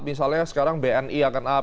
misalnya sekarang bni akan up